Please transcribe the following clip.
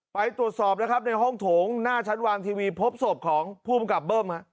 ไปตรวจสอบนะครับในห้องโถงหน้าชั้นวางทีวีพบศพของผู้กำกับเบิ้ม